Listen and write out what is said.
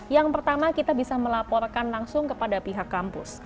yang pertama kita bisa melaporkan langsung kepada pihak kampus